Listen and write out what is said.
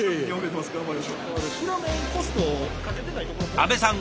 阿部さん